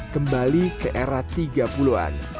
kembali ke era tiga puluh an